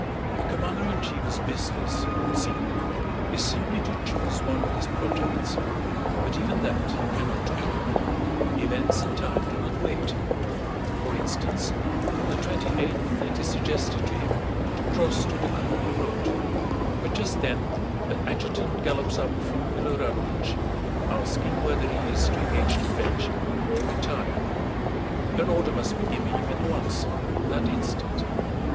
A commander in chief's business, it would seem, is simply to choose one of these projects. But even that he cannot do. Events and time do not wait. For instance, on the twenty eighth it is suggested to him to cross to the Kalúga road, but just then an adjutant gallops up from Milorádovich asking whether he is to engage the French or retire. An order must be given him at once, that instant.